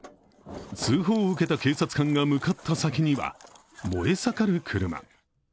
通報を受けた警察官が向かった先には、燃え盛る車。